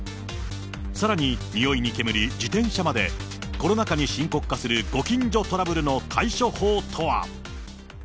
さらに、臭いに煙、自転車まで、コロナ禍に深刻化するご近所トラブルの対処法とは。